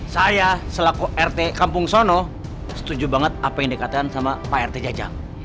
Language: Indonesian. saya selaku rt kampung sono setuju banget apa yang dikatakan sama pak rt jajang